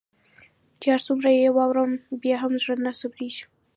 چي هر څومره يي واورم بيا هم زړه نه صبریږي